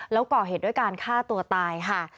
แล้วก่อเหตุด้วยการฆ่าตัวตายค่ะ